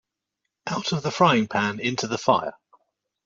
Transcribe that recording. Out of the frying pan into the fire.